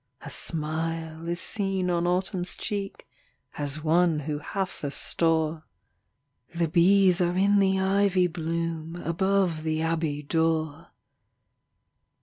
A smile is seen on Autumn's cheek, As one who hath a store ; The bees are in the ivy bloom, Above the abbey door.